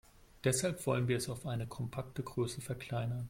Deshalb wollen wir es auf eine kompakte Größe verkleinern.